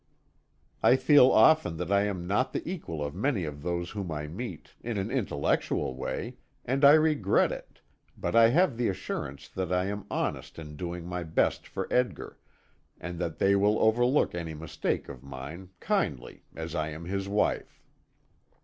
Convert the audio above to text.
I feel often that I am not the equal of many of those whom I meet, in an intellectual way, and I regret it, but I have the assurance that I am honest in doing my best for Edgar, and that they will overlook any mistake of mine, kindly, as I am his wife.